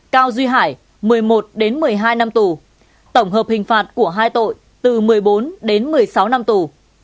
cao duy hải một mươi một đến một mươi hai năm tù tổng hợp hình phạt của hai tội từ một mươi bốn đến một mươi sáu năm tù